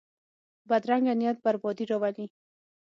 بدرنګه نیت بربادي راولي